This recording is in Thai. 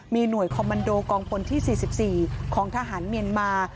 มีหน่วยคอมมันโดกองพลที่๔๔ของทหารเมียนมา